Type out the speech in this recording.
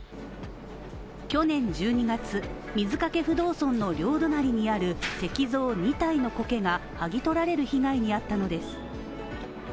去年１２月、水かけ不動尊の両隣にある石像２体のこけが剥ぎ取られる被害に遭ったのです。